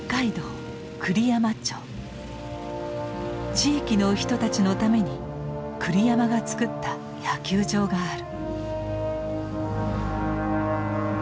地域の人たちのために栗山が作った野球場がある。